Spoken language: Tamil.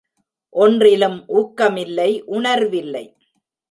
ஒன்றிலும் ஊக்கமில்லை உணர்வில்லை.